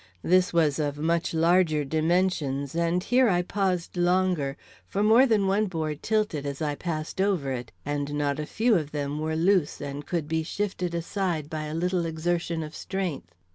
This was of much larger dimensions, and here I paused longer, for more than one board tilted as I passed over it, and not a few of them were loose and could be shifted aside by a little extra exertion of strength.